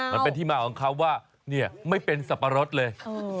มันเป็นที่มาของเขาว่าเนี่ยไม่เป็นสับปะรดเลย